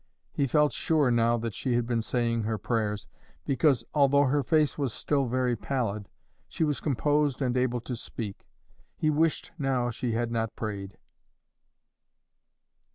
He felt sure now that she had been saying her prayers, because, although her face was still very pallid, she was composed and able to speak. He wished now she had not prayed.